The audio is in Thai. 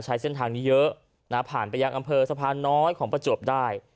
ใช้เส้นทางนี้เยอะนะผ่านไปยังอำเภอสะพานน้อยของประจวบได้